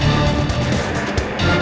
lo sudah bisa berhenti